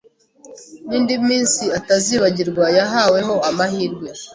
n’indi minsi atazibagirwa yahaweho amahirwe